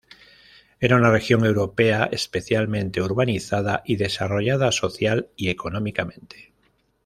Era una región europea especialmente urbanizada y desarrollada social y económicamente.